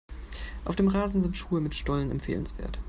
Auf dem Rasen sind Schuhe mit Stollen empfehlenswert.